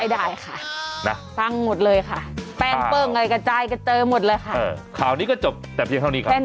ไม่ได้ค่ะตั้งหมดเลยค่ะแป้งเปิ้ลกับจ่ายกับเจอหมดเลยค่ะข่าวนี้ก็จบแต่เพียงเท่านี้ครับ